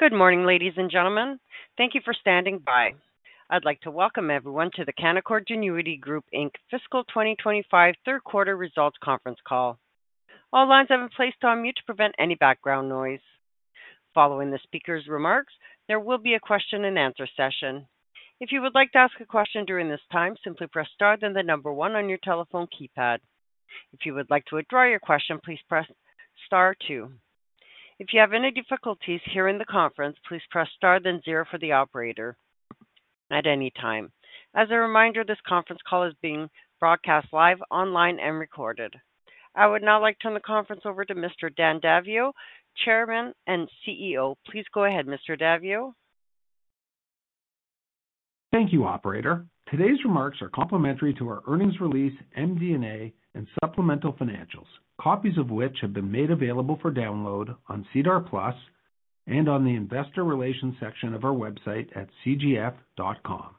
Good morning, ladies and gentlemen. Thank you for standing by. I'd like to welcome everyone to the Canaccord Genuity Group Inc. Fiscal 2025 third quarter results conference call. All lines have been placed on mute to prevent any background noise. Following the speaker's remarks, there will be a question and answer session. If you would like to ask a question during this time, simply press star then the number one on your telephone keypad. If you would like to withdraw your question, please press star two. If you have any difficulties hearing the conference, please press star then zero for the operator at any time. As a reminder, this conference call is being broadcast live, online, and recorded. I would now like to turn the conference over to Mr. Dan Daviau, Chairman and CEO. Please go ahead, Mr. Daviau. Thank you, Operator. Today's remarks are complementary to our earnings release, MD&A, and supplemental financials, copies of which have been made available for download on SEDAR+ and on the investor relations section of our website at cgf.com.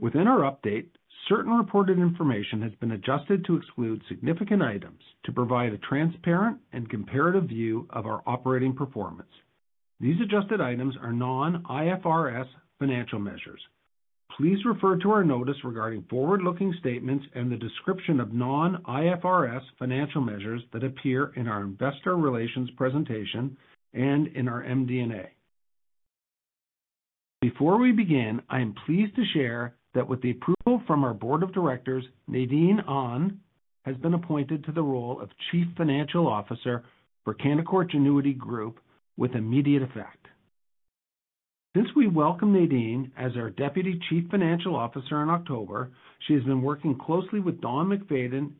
Within our update, certain reported information has been adjusted to exclude significant items to provide a transparent and comparative view of our operating performance. These adjusted items are non-IFRS financial measures. Please refer to our notice regarding forward-looking statements and the description of non-IFRS financial measures that appear in our investor relations presentation and in our MD&A. Before we begin, I am pleased to share that with the approval from our board of directors, Nadine Ahn has been appointed to the role of Chief Financial Officer for Canaccord Genuity Group with immediate effect. Since we welcomed Nadine as our Deputy Chief Financial Officer in October, she has been working closely with Don MacFayden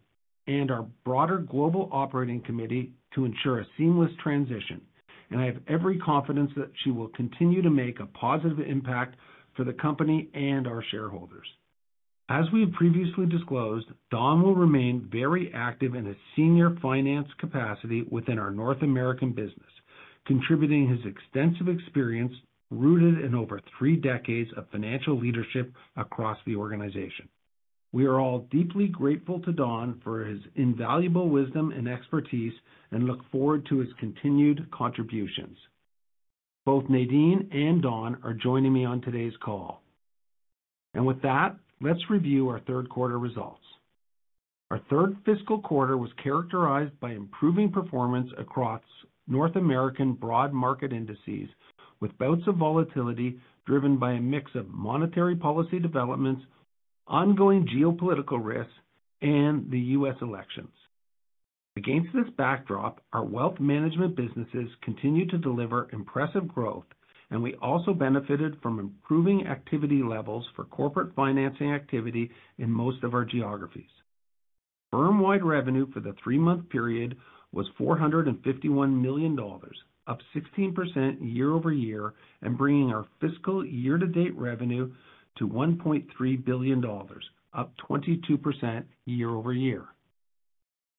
and our broader global operating committee to ensure a seamless transition, and I have every confidence that she will continue to make a positive impact for the company and our shareholders. As we have previously disclosed, Don will remain very active in a senior finance capacity within our North American business, contributing his extensive experience rooted in over three decades of financial leadership across the organization. We are all deeply grateful to Don for his invaluable wisdom and expertise and look forward to his continued contributions. Both Nadine and Don are joining me on today's call, and with that, let's review our third quarter results. Our third fiscal quarter was characterized by improving performance across North American broad market indices with bouts of volatility driven by a mix of monetary policy developments, ongoing geopolitical risks, and the U.S. elections. Against this backdrop, our wealth management businesses continued to deliver impressive growth, and we also benefited from improving activity levels for corporate financing activity in most of our geographies. Firm-wide revenue for the three-month period was 451 million dollars, up 16% year-over-year, and bringing our fiscal year-to-date revenue to 1.3 billion dollars, up 22% year-over-year.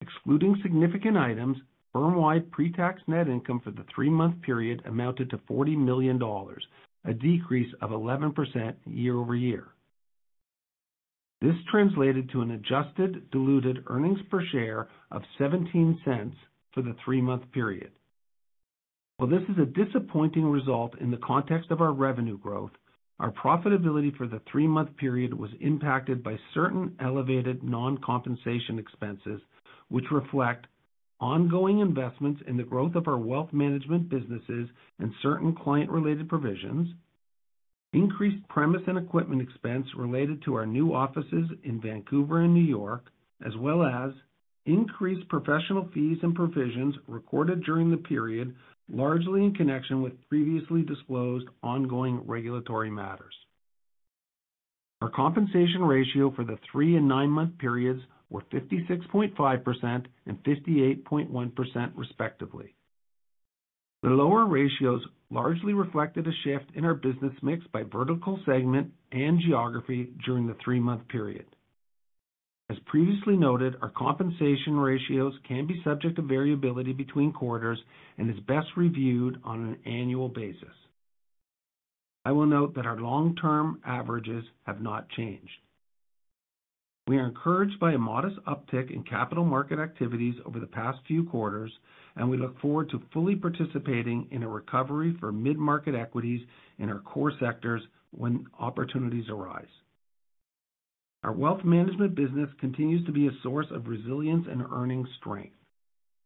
Excluding significant items, firm-wide pre-tax net income for the three-month period amounted to 40 million dollars, a decrease of 11% year-over-year. This translated to an adjusted diluted earnings per share of 0.17 for the three-month period. While this is a disappointing result in the context of our revenue growth, our profitability for the three-month period was impacted by certain elevated non-compensation expenses, which reflect ongoing investments in the growth of our wealth management businesses and certain client-related provisions, increased premises and equipment expense related to our new offices in Vancouver and New York, as well as increased professional fees and provisions recorded during the period, largely in connection with previously disclosed ongoing regulatory matters. Our compensation ratio for the three and nine-month periods were 56.5% and 58.1%, respectively. The lower ratios largely reflected a shift in our business mix by vertical segment and geography during the three-month period. As previously noted, our compensation ratios can be subject to variability between quarters and is best reviewed on an annual basis. I will note that our long-term averages have not changed. We are encouraged by a modest uptick in capital market activities over the past few quarters, and we look forward to fully participating in a recovery for mid-market equities in our core sectors when opportunities arise. Our wealth management business continues to be a source of resilience and earnings strength.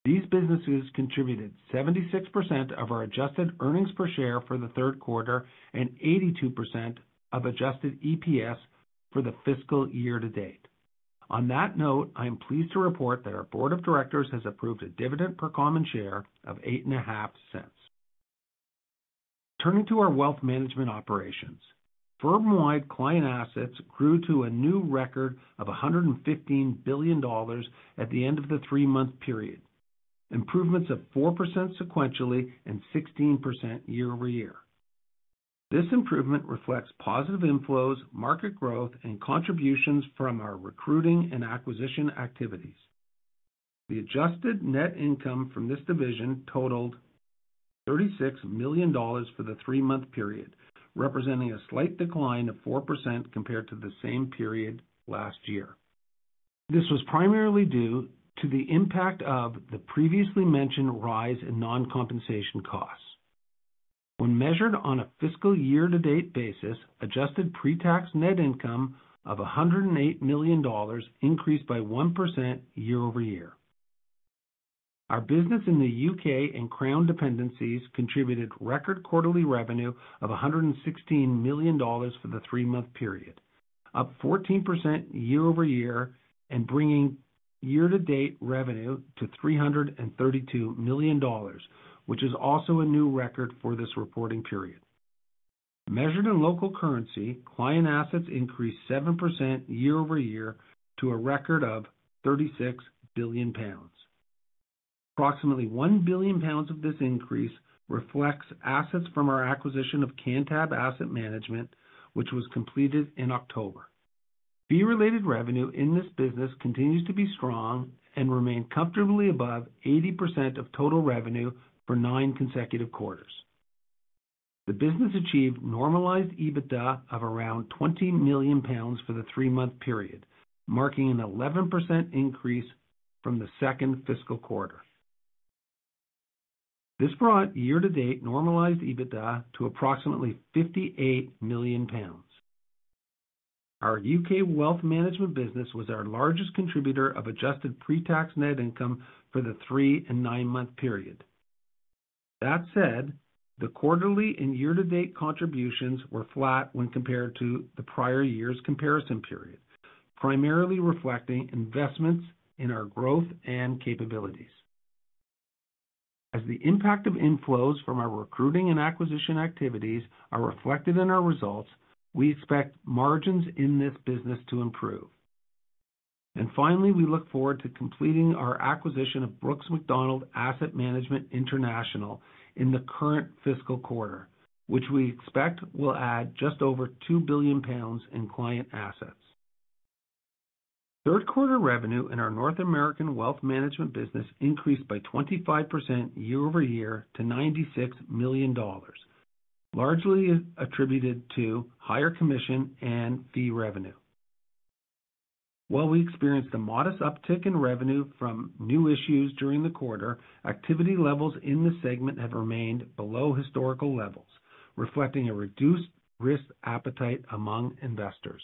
These businesses contributed 76% of our adjusted earnings per share for the third quarter and 82% of adjusted EPS for the fiscal year to date. On that note, I am pleased to report that our board of directors has approved a dividend per common share of 0.085. Turning to our wealth management operations, firm-wide client assets grew to a new record of 115 billion dollars at the end of the three-month period, improvements of 4% sequentially and 16% year-over-year. This improvement reflects positive inflows, market growth, and contributions from our recruiting and acquisition activities. The adjusted net income from this division totaled 36 million dollars for the three-month period, representing a slight decline of 4% compared to the same period last year. This was primarily due to the impact of the previously mentioned rise in non-compensation costs. When measured on a fiscal year-to-date basis, adjusted pre-tax net income of 108 million dollars increased by 1% year-over-year. Our business in the U.K. and Crown Dependencies contributed record quarterly revenue of 116 million dollars for the three-month period, up 14% year-over-year, and bringing year-to-date revenue to 332 million dollars, which is also a new record for this reporting period. Measured in local currency, client assets increased 7% year-over-year to a record of 36 billion pounds. Approximately 1 billion pounds of this increase reflects assets from our acquisition of Cantab Asset Management, which was completed in October. Fee-related revenue in this business continues to be strong and remained comfortably above 80% of total revenue for nine consecutive quarters. The business achieved normalized EBITDA of around 20 million pounds for the three-month period, marking an 11% increase from the second fiscal quarter. This brought year-to-date normalized EBITDA to approximately 58 million pounds. Our U.K. wealth management business was our largest contributor of adjusted pre-tax net income for the three and nine-month period. That said, the quarterly and year-to-date contributions were flat when compared to the prior year's comparison period, primarily reflecting investments in our growth and capabilities. As the impact of inflows from our recruiting and acquisition activities are reflected in our results, we expect margins in this business to improve. Finally, we look forward to completing our acquisition of Brooks Macdonald Asset Management International in the current fiscal quarter, which we expect will add just over 2 billion pounds in client assets. Third quarter revenue in our North American wealth management business increased by 25% year-over-year to 96 million dollars, largely attributed to higher commission and fee revenue. While we experienced a modest uptick in revenue from new issues during the quarter, activity levels in the segment have remained below historical levels, reflecting a reduced risk appetite among investors.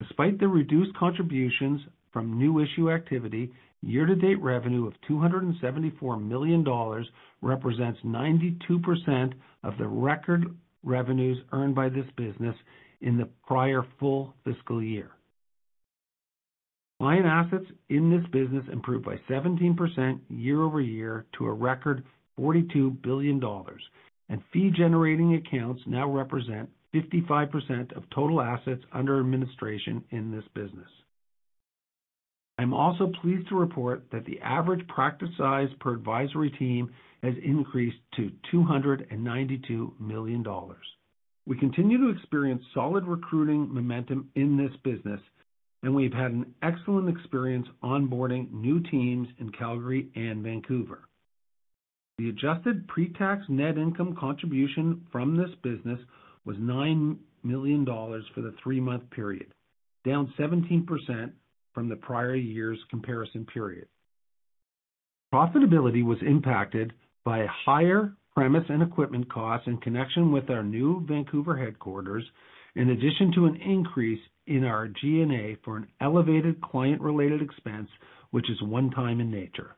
Despite the reduced contributions from new issue activity, year-to-date revenue of 274 million dollars represents 92% of the record revenues earned by this business in the prior full fiscal year. Client assets in this business improved by 17% year-over-year to a record 42 billion dollars, and fee-generating accounts now represent 55% of total assets under administration in this business. I'm also pleased to report that the average practice size per advisory team has increased to 292 million dollars. We continue to experience solid recruiting momentum in this business, and we've had an excellent experience onboarding new teams in Calgary and Vancouver. The adjusted pre-tax net income contribution from this business was 9 million dollars for the three-month period, down 17% from the prior year's comparison period. Profitability was impacted by higher premises and equipment costs in connection with our new Vancouver headquarters, in addition to an increase in our G&A for an elevated client-related expense, which is one-time in nature.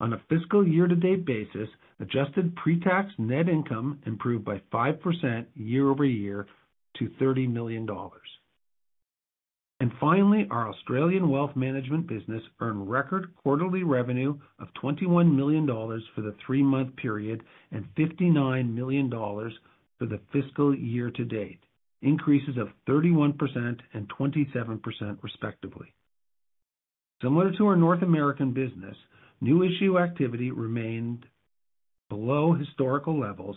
On a fiscal year-to-date basis, adjusted pre-tax net income improved by 5% year-over-year to 30 million dollars. And finally, our Australian wealth management business earned record quarterly revenue of 21 million dollars for the three-month period and 59 million dollars for the fiscal year to date, increases of 31% and 27%, respectively. Similar to our North American business, new issue activity remained below historical levels,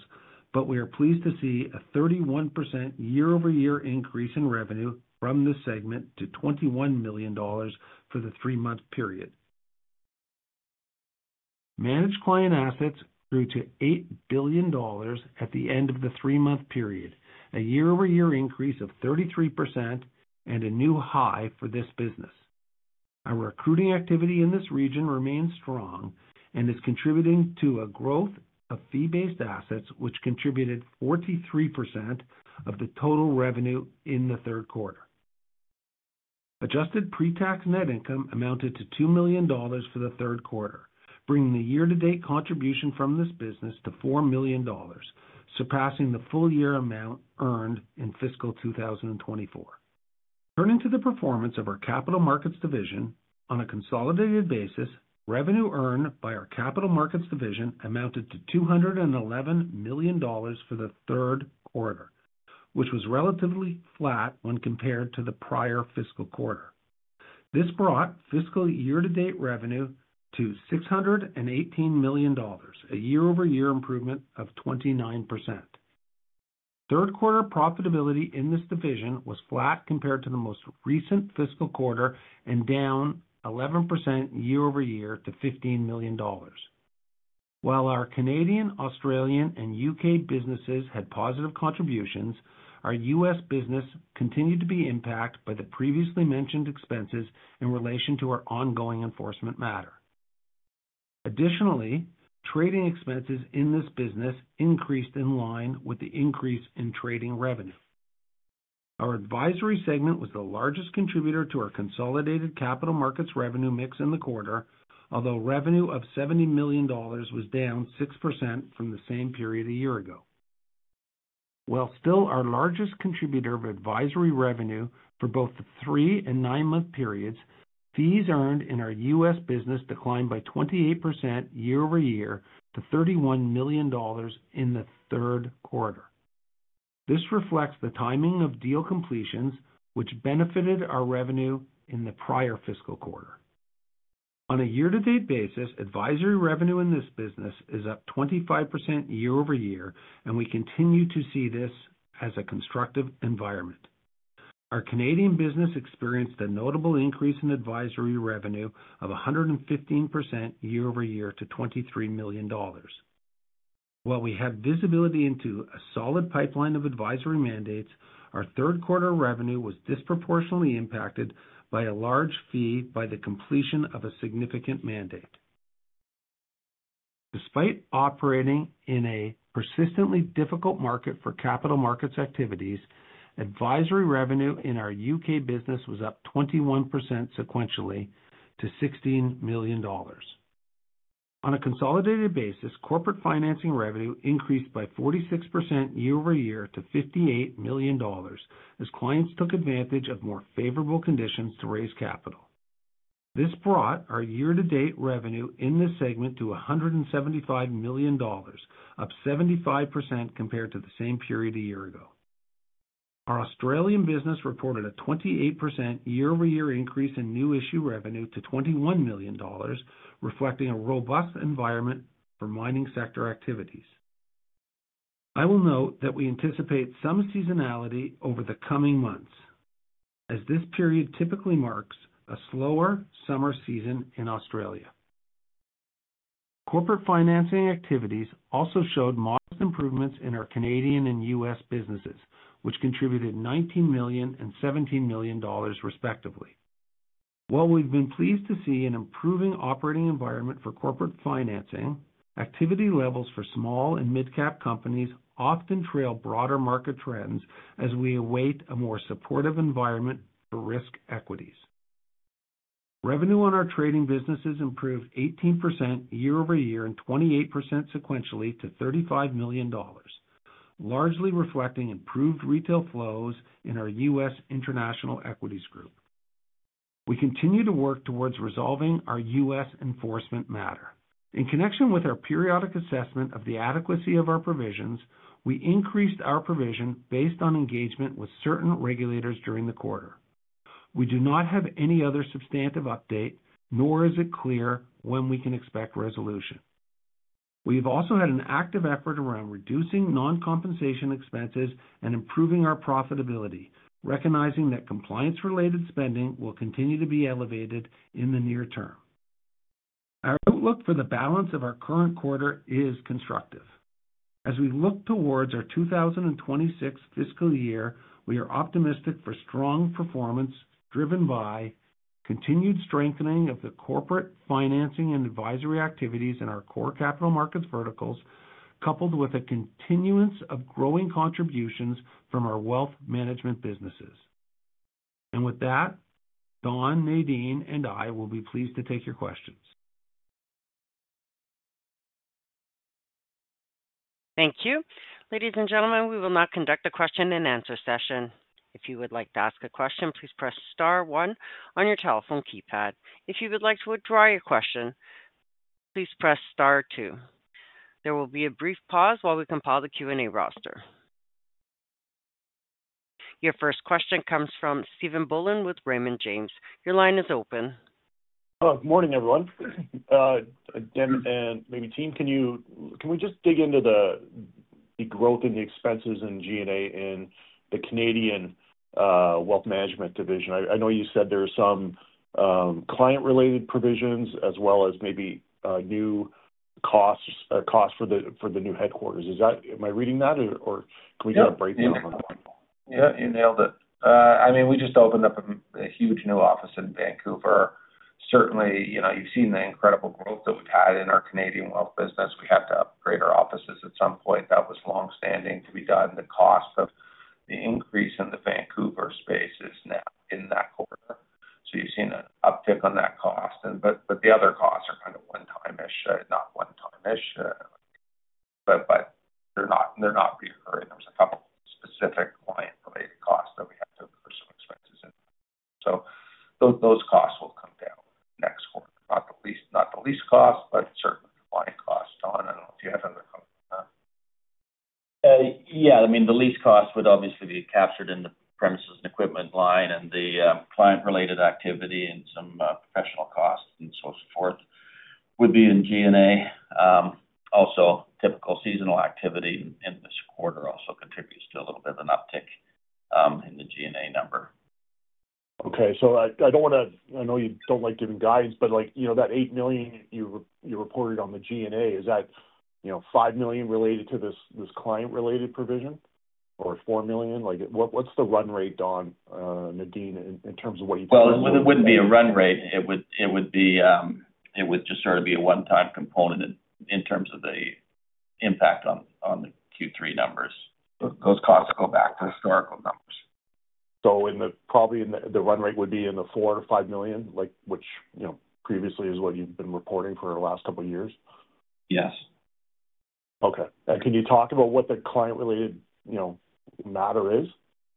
but we are pleased to see a 31% year-over-year increase in revenue from this segment to 21 million dollars for the three-month period. Managed client assets grew to 8 billion dollars at the end of the three-month period, a year-over-year increase of 33%, and a new high for this business. Our recruiting activity in this region remains strong and is contributing to a growth of fee-based assets, which contributed 43% of the total revenue in the third quarter. Adjusted pre-tax net income amounted to CAD 2 million for the third quarter, bringing the year-to-date contribution from this business to CAD 4 million, surpassing the full-year amount earned in fiscal 2024. Turning to the performance of our capital markets division, on a consolidated basis, revenue earned by our capital markets division amounted to CAD 211 million for the third quarter, which was relatively flat when compared to the prior fiscal quarter. This brought fiscal year-to-date revenue to 618 million dollars, a year-over-year improvement of 29%. Third quarter profitability in this division was flat compared to the most recent fiscal quarter and down 11% year-over-year to 15 million dollars. While our Canadian, Australian, and U.K. businesses had positive contributions, our U.S. business continued to be impacted by the previously mentioned expenses in relation to our ongoing enforcement matter. Additionally, trading expenses in this business increased in line with the increase in trading revenue. Our advisory segment was the largest contributor to our consolidated capital markets revenue mix in the quarter, although revenue of 70 million dollars was down 6% from the same period a year ago. While still our largest contributor of advisory revenue for both the three and nine-month periods, fees earned in our U.S. business declined by 28% year-over-year to 31 million dollars in the third quarter. This reflects the timing of deal completions, which benefited our revenue in the prior fiscal quarter. On a year-to-date basis, advisory revenue in this business is up 25% year-over-year, and we continue to see this as a constructive environment. Our Canadian business experienced a notable increase in advisory revenue of 115% year-over-year to 23 million dollars. While we had visibility into a solid pipeline of advisory mandates, our third quarter revenue was disproportionately impacted by a large fee from the completion of a significant mandate. Despite operating in a persistently difficult market for capital markets activities, advisory revenue in our U.K. business was up 21% sequentially to 16 million dollars. On a consolidated basis, corporate financing revenue increased by 46% year-over-year to 58 million dollars as clients took advantage of more favorable conditions to raise capital. This brought our year-to-date revenue in this segment to 175 million dollars, up 75% compared to the same period a year ago. Our Australian business reported a 28% year-over-year increase in new issue revenue to 21 million dollars, reflecting a robust environment for mining sector activities. I will note that we anticipate some seasonality over the coming months, as this period typically marks a slower summer season in Australia. Corporate financing activities also showed modest improvements in our Canadian and U.S. businesses, which contributed 19 million and 17 million dollars, respectively. While we've been pleased to see an improving operating environment for corporate financing, activity levels for small and mid-cap companies often trail broader market trends as we await a more supportive environment for risk equities. Revenue on our trading businesses improved 18% year-over-year and 28% sequentially to 35 million dollars, largely reflecting improved retail flows in our U.S. International Equities Group. We continue to work towards resolving our U.S. enforcement matter. In connection with our periodic assessment of the adequacy of our provisions, we increased our provision based on engagement with certain regulators during the quarter. We do not have any other substantive update, nor is it clear when we can expect resolution. We have also had an active effort around reducing non-compensation expenses and improving our profitability, recognizing that compliance-related spending will continue to be elevated in the near term. Our outlook for the balance of our current quarter is constructive. As we look towards our 2026 fiscal year, we are optimistic for strong performance driven by continued strengthening of the corporate financing and advisory activities in our core capital markets verticals, coupled with a continuance of growing contributions from our wealth management businesses, and with that, Don, Nadine, and I will be pleased to take your questions. Thank you. Ladies and gentlemen, we will now conduct a question-and-answer session. If you would like to ask a question, please press star one on your telephone keypad. If you would like to withdraw your question, please press star two. There will be a brief pause while we compile the Q&A roster. Your first question comes from Stephen Boland with Raymond James. Your line is open. Hello. Good morning, everyone. Again, and maybe team, can we just dig into the growth in the expenses and G&A in the Canadian wealth management division? I know you said there are some client-related provisions as well as maybe new costs for the new headquarters. Am I reading that, or can we get a breakdown on that? Yeah, you nailed it. I mean, we just opened up a huge new office in Vancouver. Certainly, you've seen the incredible growth that we've had in our Canadian wealth business. We had to upgrade our offices at some point. That was long-standing to be done. The cost of the increase in the Vancouver space is now in that quarter. So you've seen an uptick on that cost. But the other costs are kind of one-time-ish, not one-time-ish, but they're not recurring. There's a couple of specific client-related costs that we have to incur some expenses in. So those costs will come down next quarter. Not the least cost, but certainly the client cost. Don, I don't know if you had another comment on that. Yeah. I mean, the least cost would obviously be captured in the premises and equipment line, and the client-related activity and some professional costs and so forth would be in G&A. Also, typical seasonal activity in this quarter also contributes to a little bit of an uptick in the G&A number. Okay. So I don't want to. I know you don't like giving guidance, but that 8 million you reported on the G&A, is that 5 million related to this client-related provision or 4 million? What's the run rate, Don, Nadine, in terms of what you think? Well, it wouldn't be a run rate. It would just sort of be a one-time component in terms of the impact on the Q3 numbers. Those costs go back to historical numbers. So probably the run rate would be in the 4 million-5 million, which previously is what you've been reporting for the last couple of years? Yes. Okay. And can you talk about what the client-related matter is?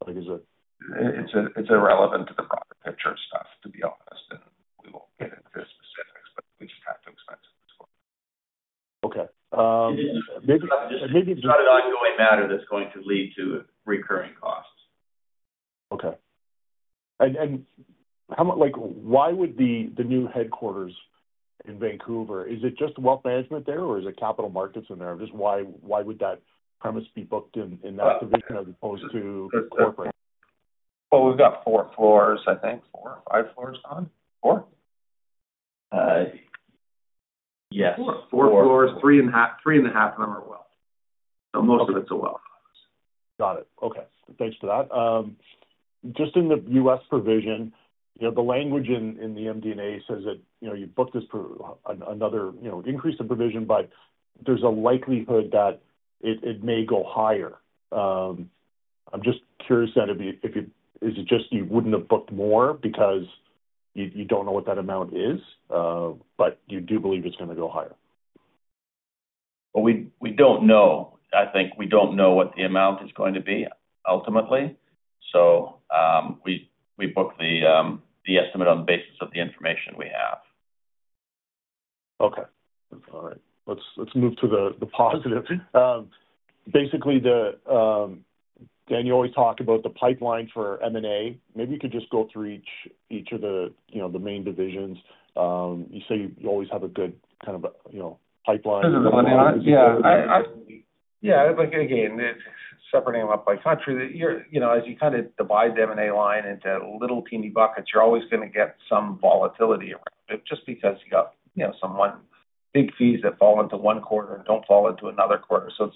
It's irrelevant to the broader picture stuff, to be honest. And we won't get into the specifics, but we just have to expect it. Okay. It's not an ongoing matter that's going to lead to recurring costs. Okay. And why would the new headquarters in Vancouver, is it just wealth management there, or is it capital markets in there? Just why would that premises be booked in that division as opposed to corporate? Well, we've got four floors, I think. Four or five floors, Don? Four? Yes. Four floors, three and a half, and we're wealth. So most of it's a wealth office. Got it. Okay. Thanks for that. Just in the U.S. provision, the language in the MD&A says that you booked another increase in provision, but there's a likelihood that it may go higher. I'm just curious then, is it just you wouldn't have booked more because you don't know what that amount is, but you do believe it's going to go higher? Well, we don't know. I think we don't know what the amount is going to be ultimately. So we booked the estimate on the basis of the information we have. Okay. All right. Let's move to the positive. Basically, Daniel, we talked about the pipeline for M&A. Maybe you could just go through each of the main divisions. You say you always have a good kind of pipeline. Yeah. Again, separating them up by country, as you kind of divide the M&A line into little teeny buckets, you're always going to get some volatility around it just because you got some big fees that fall into one quarter and don't fall into another quarter, so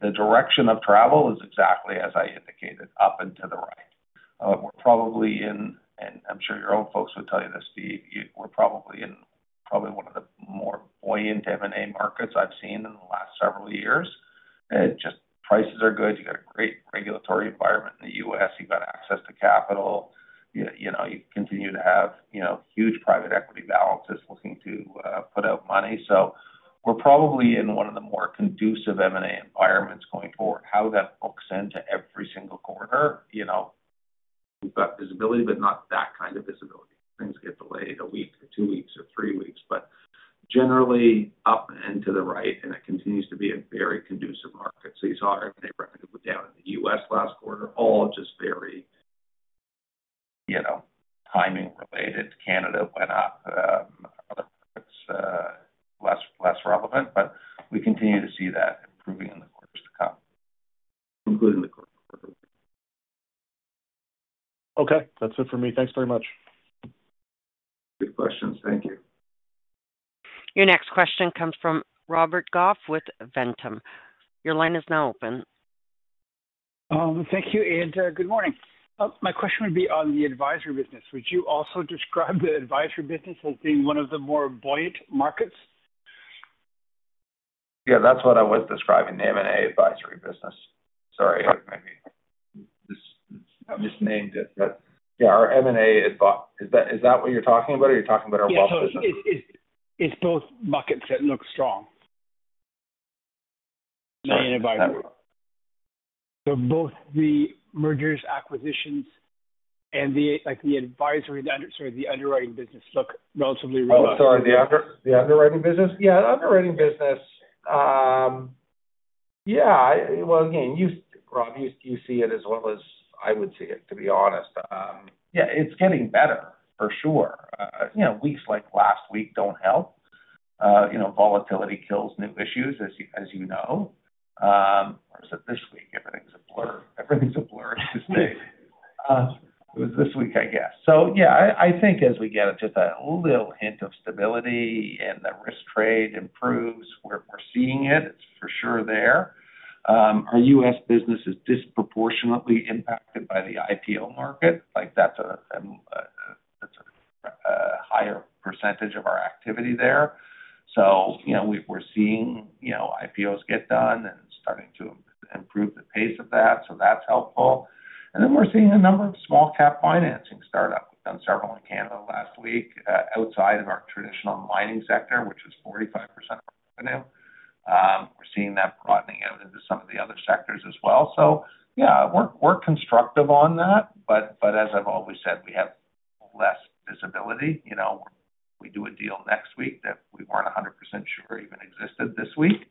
the direction of travel is exactly as I indicated up and to the right. We're probably in, and I'm sure your own folks would tell you this, Steve, we're probably in one of the more buoyant M&A markets I've seen in the last several years. Just prices are good. You've got a great regulatory environment in the U.S. You've got access to capital. You continue to have huge private equity balances looking to put out money, so we're probably in one of the more conducive M&A environments going forward. How that books into every single quarter, we've got visibility, but not that kind of visibility. Things get delayed a week or two weeks or three weeks, but generally up and to the right, and it continues to be a very conducive market. So you saw our M&A revenue go down in the U.S. last quarter, all just very timing-related. Canada went up. Other markets, less relevant, but we continue to see that improving in the quarters to come. Including the corporate quarter. Okay. That's it for me. Thanks very much. Good questions. Thank you. Your next question comes from Robert Goff with Ventum. Your line is now open. Thank you, and good morning. My question would be on the advisory business. Would you also describe the advisory business as being one of the more buoyant markets? Yeah. That's what I was describing, the M&A advisory business. Sorry, I maybe misnamed it. Yeah. Our M&A, is that what you're talking about, or are you talking about our wealth business? It's both buckets that look strong. M&A advisory. So both the mergers, acquisitions, and the advisory, sorry, the underwriting business look relatively robust. Oh, sorry. The underwriting business? Yeah. The underwriting business. Yeah. Well, again, Rob, you see it as well as I would see it, to be honest. Yeah. It's getting better, for sure. Weeks like last week don't help. Volatility kills new issues, as you know. Or is it this week? Everything's a blur. Everything's a blur these days. It was this week, I guess. So yeah, I think as we get just a little hint of stability and the risk trade improves, we're seeing it. It's for sure there. Our U.S. business is disproportionately impacted by the IPO market. That's a higher percentage of our activity there. So we're seeing IPOs get done and starting to improve the pace of that. So that's helpful. And then we're seeing a number of small-cap financing startups. We've done several in Canada last week outside of our traditional mining sector, which is 45% of our revenue. We're seeing that broadening out into some of the other sectors as well. So yeah, we're constructive on that. But as I've always said, we have less visibility. We do a deal next week that we weren't 100% sure even existed this week.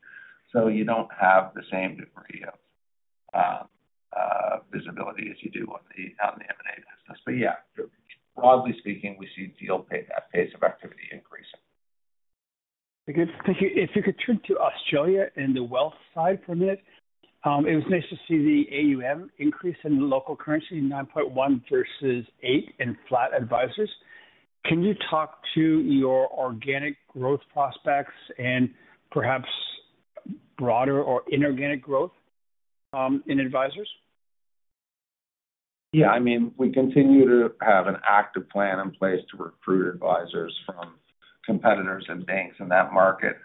So you don't have the same degree of visibility as you do on the M&A business. But yeah, broadly speaking, we see deal pace of activity increasing. If you could turn to Australia and the wealth side for a minute. It was nice to see the AUM increase in local currency, 9.1 versus eight in flat advisors. Can you talk to your organic growth prospects and perhaps broader or inorganic growth in advisors? Yeah. I mean, we continue to have an active plan in place to recruit advisors from competitors and banks in that market.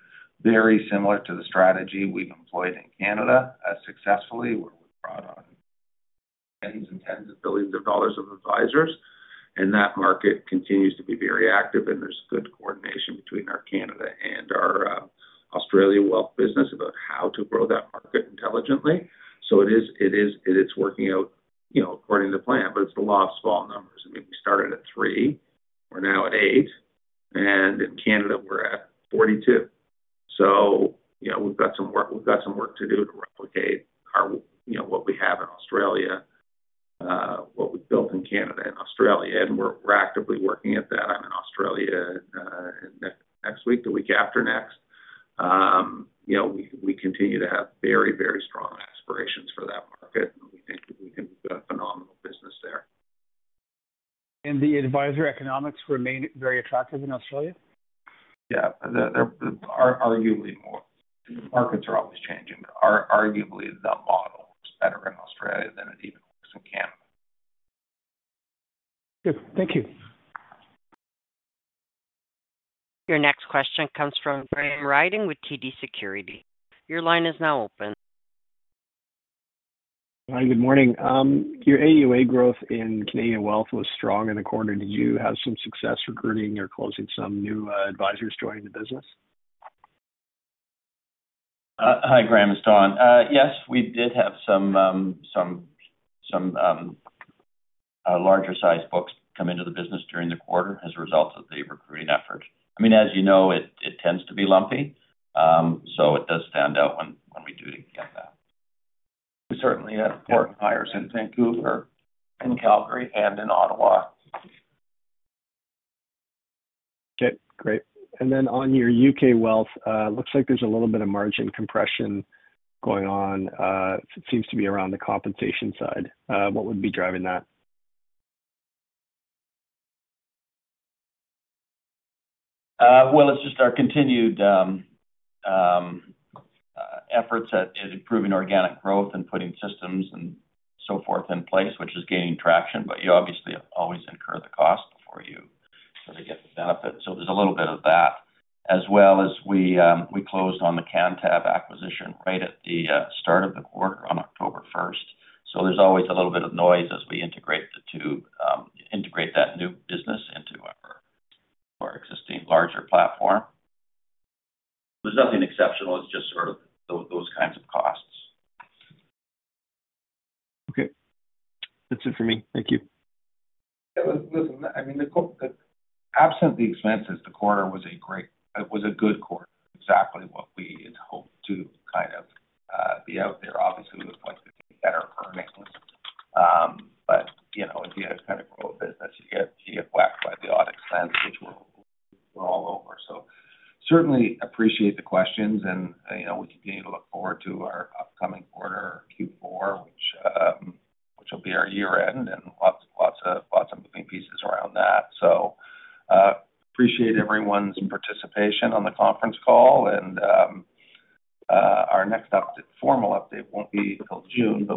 Very similar to the strategy we've employed in Canada successfully, where we've brought on tens and tens of billions of CAD of advisors, and that market continues to be very active, and there's good coordination between our Canada and our Australia wealth business about how to grow that market intelligently, so it is working out according to plan, but it's a lot of small numbers. I mean, we started at three. We're now at eight, and in Canada, we're at 42. We've got some work. We've got some work to do to replicate what we have in Australia, what we've built in Canada and Australia. And we're actively working at that. I'm in Australia next week, the week after next. We continue to have very, very strong aspirations for that market. We think we can build a phenomenal business there. And the advisory economics remain very attractive in Australia? Yeah. Arguably more. Markets are always changing. Arguably the model works better in Australia than it even works in Canada. Good. Thank you. Your next question comes from Graham Ryding with TD Securities. Your line is now open. Hi. Good morning. Your AUA growth in Canadian wealth was strong in the quarter. Did you have some success recruiting or closing some new advisors joining the business? Hi, Graham. It's Don. Yes, we did have some larger-sized books come into the business during the quarter as a result of the recruiting effort. I mean, as you know, it tends to be lumpy. So it does stand out when we do get that. We certainly had important hires in Vancouver, in Calgary, and in Ottawa. Okay. Great. And then on your UK wealth, it looks like there's a little bit of margin compression going on. It seems to be around the compensation side. What would be driving that? Well, it's just our continued efforts at improving organic growth and putting systems and so forth in place, which is gaining traction. But you obviously always incur the cost before you sort of get the benefit. So there's a little bit of that, as well as we closed on the Cantab acquisition right at the start of the quarter on October 1st. So there's always a little bit of noise as we integrate that new business into our existing larger platform. There's nothing exceptional. It's just sort of those kinds of costs. Okay. That's it for me. Thank you. Yeah. Listen, I mean, absent the expenses, the quarter was a good quarter. Exactly what we had hoped to kind of be out there. Obviously, we would have liked to see better earnings. But if you have kind of grow a business, you get whacked by the odd expense, which we're all over. So certainly appreciate the questions. And we continue to look forward to our upcoming quarter, Q4, which will be our year-end, and lots of moving pieces around that. So appreciate everyone's participation on the conference call. And our next formal update won't be until June,